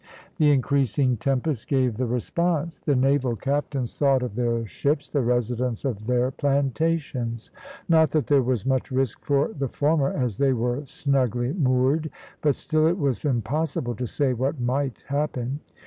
The increasing tempest gave the response. The naval captains thought of their ships, the residents of their plantations. Not that there was much risk for the former, as they were snugly moored; but still it was impossible to say what might happen.